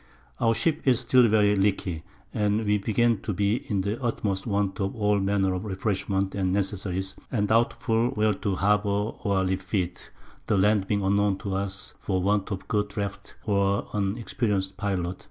Our Ship is still very leaky, and we begin to be in the utmost want of all manner of Refreshments and Necessaries, and doubtful where to harbour or refit, the Land being unknown to us for want of good Drafts, or an experienc'd Pilot.